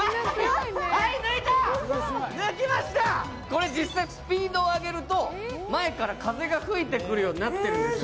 これ実際スピード上げると、前から風が吹いてくるようになってるんです。